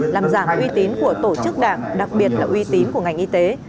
làm giảm uy tín của tổ chức đảng đặc biệt là uy tín của ngành y tế